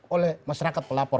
oleh masyarakat pelapor